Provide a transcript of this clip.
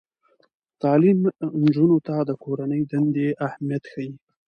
تعلیم نجونو ته د کورنۍ دندې اهمیت ښيي.